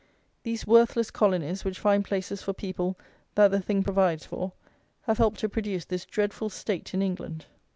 These worthless colonies, which find places for people that the Thing provides for, have helped to produce this dreadful state in England.